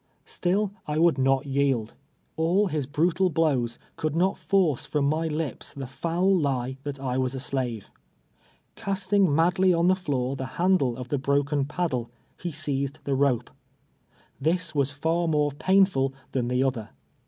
iStill I would not yield. All his brutal blows could not force from my li})s the foul lie that I was a slave. Casting mad ly on the floor the handle of the broken paddle, ho seized the rope. This was far more painful than the other.